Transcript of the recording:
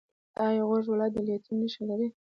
آیا غور ولایت د لیتیم نښې لري؟